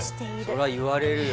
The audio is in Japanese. それは言われるよ。